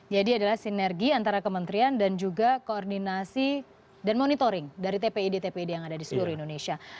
jadi adalah sinergi antara kementerian dan juga koordinasi dan monitoring dari tpid tpid yang ada di sebuah daerah